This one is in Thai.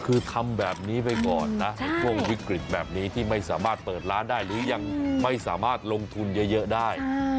คือทำแบบนี้ไปก่อนนะในช่วงวิกฤตแบบนี้ที่ไม่สามารถเปิดร้านได้หรือยังไม่สามารถลงทุนเยอะได้